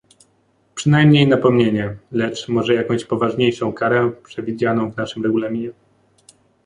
przynajmniej napomnienie, lecz może jakąś poważniejszą karę przewidzianą w naszym Regulaminie